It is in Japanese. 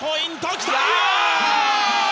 きた！